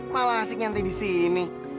malah asik nyanti di sini